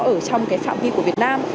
ở trong cái phạm vi của việt nam